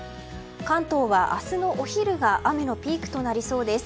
関東は明日のお昼が雨のピークとなりそうです。